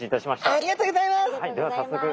ありがとうございます！